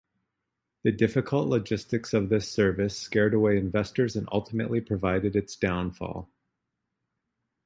The difficult logistics of this service scared away investors and ultimately provided its downfall.